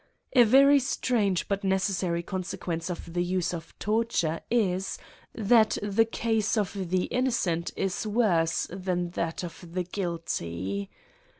A very strange but necessary consequence of the use of torture is, that the case of the innocent is worse than that of the guilty.